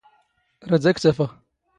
ⵔⴰⴷ ⴰⴽ ⵜ ⴰⴼⵖ.